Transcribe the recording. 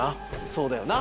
そうだよな。